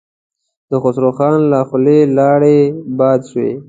د خسرو خان له خولې لاړې باد شوې.